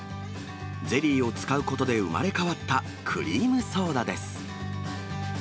ゼリーを使うことで生まれ変わったクリームソーダです。